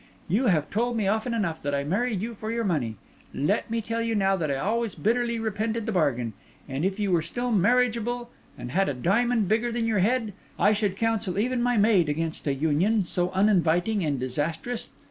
You have told me often enough that I married you for your money; let me tell you now that I always bitterly repented the bargain; and if you were still marriageable, and had a diamond bigger than your head, I should counsel even my maid against a union so uninviting and disastrous.